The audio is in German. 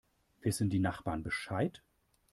Wissen die Nachbarn Bescheid?